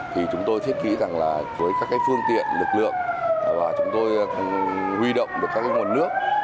thì chúng tôi thiết kỹ rằng là với các cái phương tiện lực lượng và chúng tôi huy động được các cái nguồn nước